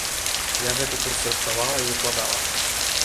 Я гэты курс рыхтавала і выкладала.